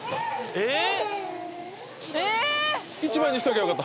えっ？